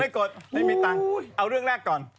ไม่กดไม่กดไม่มีตังค์เอาเรื่องแรกก่อน